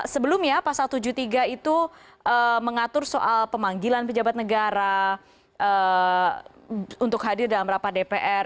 sebelumnya pasal tujuh puluh tiga itu mengatur soal pemanggilan pejabat negara untuk hadir dalam rapat dpr